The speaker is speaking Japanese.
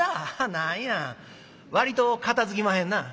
何や割と片づきまへんな」。